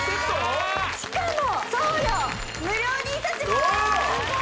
しかも送料無料にいたします